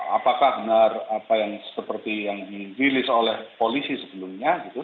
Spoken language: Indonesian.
apakah benar apa yang seperti yang dirilis oleh polisi sebelumnya gitu